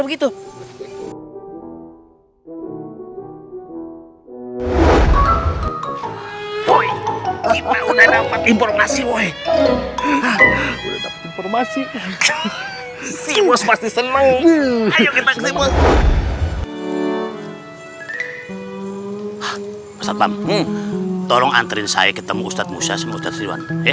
ustadz bam tolong anterin saya ketemu ustadz musa sama ustadz rewan